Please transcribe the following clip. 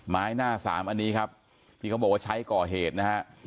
ไม้หน้าสามอันนี้ครับที่เขาบอกว่าใช้ก่อเหตุนะฮะ